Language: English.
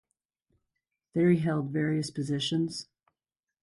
There he held various positions.